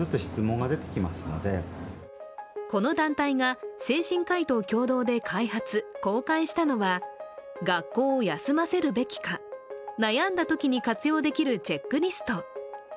この団体が精神科医と共同で開発・公開したのは学校を休ませるべきか悩んだときに活用できるチェックリスト。